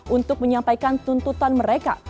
untuk menyampaikan tuntutan mereka